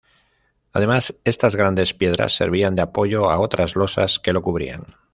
Además, estas grandes piedras servían de apoyo a otras losas que lo cubrían.